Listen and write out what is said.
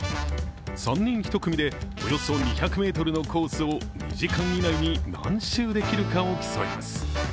３人１組でおよそ２００ｍのコースを２時間以内に何周できるかを競います。